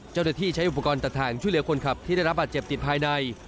เจ้าหน้าที่ใช้อุปกรณ์ตัดทางช่วยเหลือคนขับที่ได้รับบาดเจ็บติดภายใน